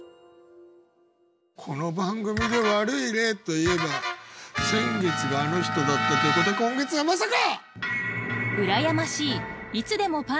この番組で悪い例といえば先月があの人だったということは今月はまさか！